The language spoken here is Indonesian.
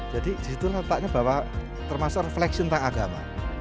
jadi di situ nampaknya bahwa termasuk refleksi tentang agama